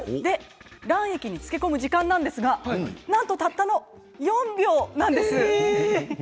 卵液に漬け込む時間なんですがたったの４秒なんです。